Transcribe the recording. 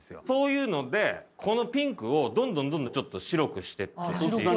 そういうのでこのピンクをどんどんどんどんちょっと白くしていってって。